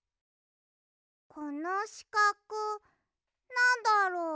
このしかくなんだろう？